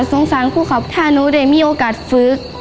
สารผู้ขับถ้าหนูได้มีโอกาสฝึก